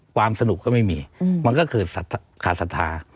ความสนุกก็ไม่มีมันก็เกิดขาดศรัทธา